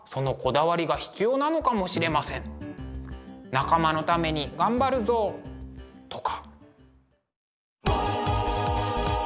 仲間のために頑張るぞ！とか。